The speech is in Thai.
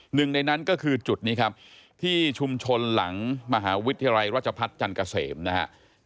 หนึ่งในนั้นก็คือจุดนี้ครับที่ชุมชนหลังมหาวิทยาลัยราชพัฒน์จันทร์เกษมนะครับ